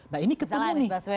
nah ini ketemu nih